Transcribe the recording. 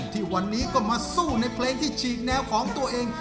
ที่วันนี้ก็มาสู้ในเพลงที่ฉีกแนวของตัวเอง